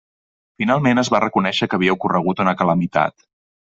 Finalment es va reconèixer que havia ocorregut una calamitat.